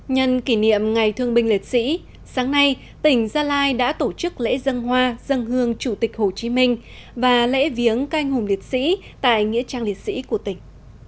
nhân kỷ niệm ngày thương binh liệt sĩ sáng nay tỉnh gia lai đã tổ chức lễ dân hoa dân hương chủ tịch hồ chí minh và lễ viếng canh hùng liệt sĩ tại nghĩa trang liệt sĩ của tỉnh